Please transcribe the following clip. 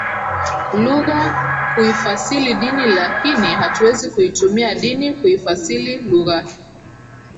lugha kuifasili dini lakini hatuwezi kuitumia dini kuifasili lugha